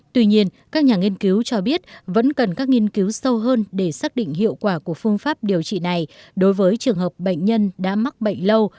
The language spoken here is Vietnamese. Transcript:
tuy nhiên các nhà nghiên cứu cho biết vẫn cần các nghiên cứu sâu hơn để xác định hiệu quả của phương pháp điều trị này đối với trường hợp bệnh nhân đã mắc bệnh lâu